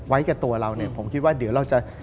กับตัวเราเนี่ยผมคิดว่าเดี๋ยวเราจะ